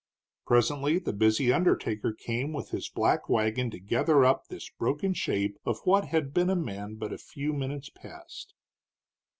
Presently the busy undertaker came with his black wagon to gather up this broken shape of what had been a man but a few minutes past.